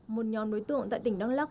một nhóm đối tượng tại tỉnh đắk lắc